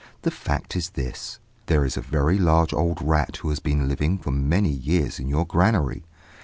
The fact is this: There is a very large old rat who has been living for many years in your granary.